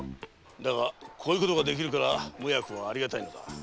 だがこういうことができるから無役はありがたいのだ。